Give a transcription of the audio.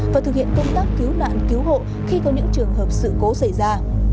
và thực hiện công tác cứu nạn cứu hộ khi có những trường hợp sự cố xảy ra